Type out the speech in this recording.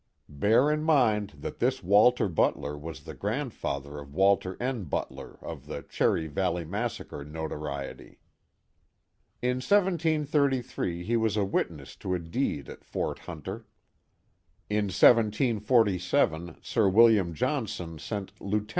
(Bear in mind that this Walter Butler was the grandfather of Walter N. Butler, of the Cherry Valley massacre notoriety.) In 1733 he was a witness to a deed at Fort Hunter. !n 1747 Sir William Johnson sent Lieut.